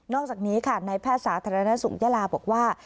อกจากนี้ค่ะในแพทย์สาธารณสุขยาลาบอกว่า